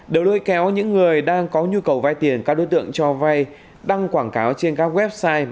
đều lôi kéo những người đang có nhu cầu vay tiền các đối tượng cho vay đăng quảng cáo trên các website